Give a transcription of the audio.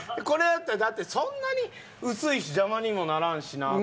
これだったらそんなに薄いし邪魔にもならんしな。